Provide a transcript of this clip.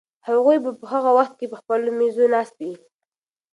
هغوی به په هغه وخت کې په خپلو مېزو ناست وي.